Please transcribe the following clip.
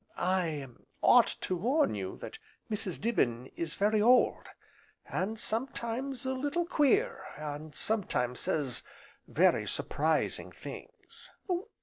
"I ought to warn you that Mrs. Dibbin is very old, and sometimes a little queer, and sometimes says very surprising things."